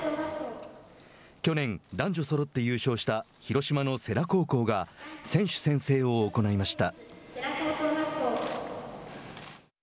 去年、男女そろって優勝した広島の世羅高校が選手宣誓を行いました。